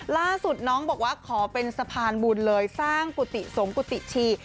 ล่าสุดน้องบอกว่าขอเป็นสะพานบุญเลยสร้างกุฏิสงกุฏิชี